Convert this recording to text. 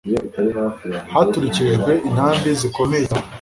haturikirijwe intambi zikomeye cyane